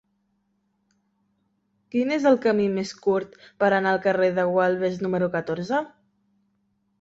Quin és el camí més curt per anar al carrer de Gualbes número catorze?